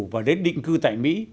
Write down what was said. và đến định cư tại mỹ